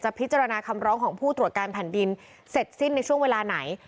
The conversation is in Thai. พิจารณาคำร้องของผู้ตรวจการแผ่นดินเสร็จสิ้นในช่วงเวลาไหน